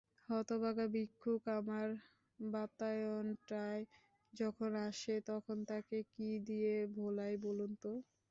হতভাগা ভিক্ষুক আমার বাতায়নটায় যখন আসে তখন তাকে কী দিয়ে ভোলাই বলুন তো!